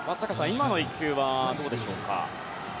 今の１球はどうでしょうか？